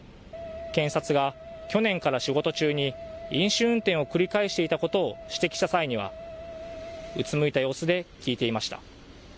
検察が去年から仕事中に飲酒運転を繰り返していたことを指摘した際にはうつむいた様子で聞いていました。